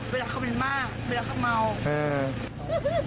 เวลาเขาเป็นมากเวลาเขาเมาอ่า